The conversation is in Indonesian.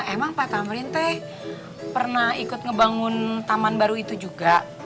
emang pak tamrin teh pernah ikut ngebangun taman baru itu juga